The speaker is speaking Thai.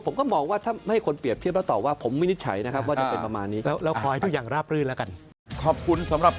ผมก็มองว่าถ้าไม่ให้คนเปรียบเทียบแล้วตอบว่า